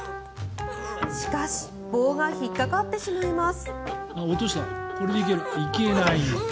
しかし棒が引っかかってしまいます。